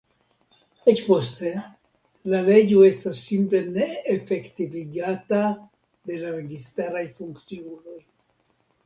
Eĉ poste, la leĝo estas simple ne efektivigata de la registaraj funkciuloj.